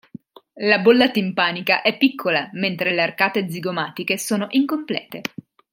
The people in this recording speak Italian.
La bolla timpanica è piccola, mentre le arcate zigomatiche sono incomplete.